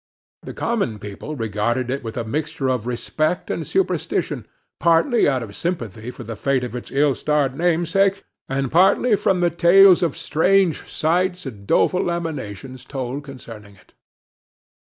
The common people regarded it with a mixture of respect and superstition, partly out of sympathy for the fate of its ill starred namesake, and partly from the tales of strange sights, and doleful lamentations, told concerning it.